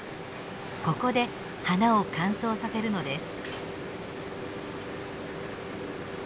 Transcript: ここで花を乾燥させるのです。